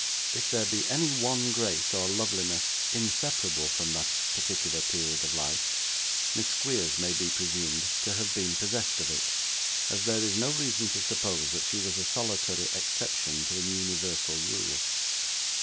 If there be any one grace or loveliness inseparable from that particular period of life, Miss Squeers may be presumed to have been possessed of it, as there is no reason to suppose that she was a solitary exception to an universal rule.